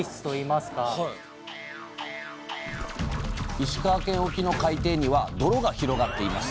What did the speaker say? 石川県沖の海底には泥が広がっています。